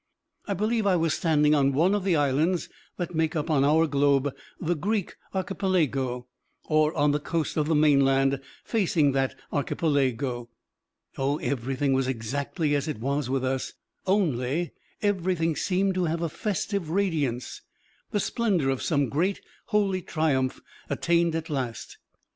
I believe I was standing on one of the islands that make up on our globe the Greek archipelago, or on the coast of the mainland facing that archipelago. Oh, everything was exactly as it is with us, only everything seemed to have a festive radiance, the splendour of some great, holy triumph attained at last.